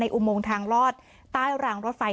ในอุโมงทางรอดใต้รางรอดไฟ